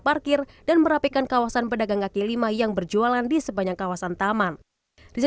parkir dan merapikan kawasan pedagang kaki lima yang berjualan di sepanjang kawasan taman riza